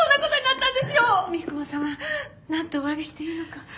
なんとおわびしていいのか。